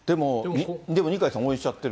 でも、二階さん応援しちゃってる。